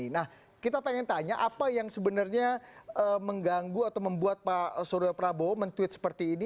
nah kita pengen tanya apa yang sebenarnya mengganggu atau membuat pak surya prabowo men tweet seperti ini